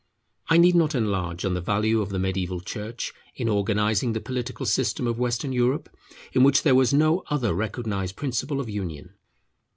I need not enlarge on the value of the mediaeval church in organizing the political system of Western Europe, in which there was no other recognized principle of union.